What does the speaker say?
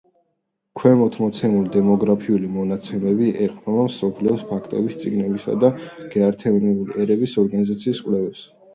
ქვემოთ მოცემული დემოგრაფიული მონაცემები ეყრდნობა მსოფლიოს ფაქტების წიგნისა და გაერთიანებული ერების ორგანიზაციის კვლევებს.